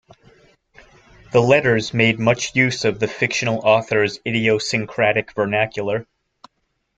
The letters made much use of the fictional author's idiosyncratic vernacular.